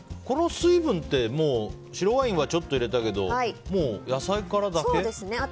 この水分ってもう白ワインはちょっと入れたけどそうですね。